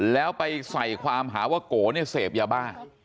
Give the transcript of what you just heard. แล้วไปใส่ความหาว่าโกเนี่ยเสพยาบ้า